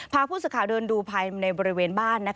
พาผู้สื่อข่าวเดินดูภายในบริเวณบ้าน